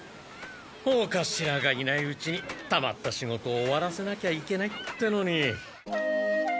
お頭がいないうちにたまった仕事を終わらせなきゃいけないってのに。